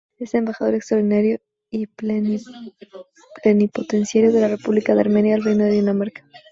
Es Embajador Extraordinario y Plenipotenciario de la República de Armenia al Reino de Dinamarca.